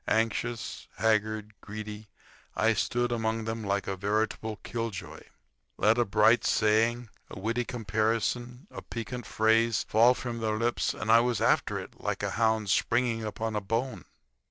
Anxious, haggard, greedy, I stood among them like a veritable killjoy. Let a bright saying, a witty comparison, a piquant phrase fall from their lips and I was after it like a hound springing upon a bone.